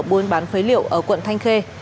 buôn bán phế liệu ở quận thanh khê